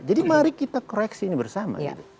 jadi mari kita koreksi ini bersama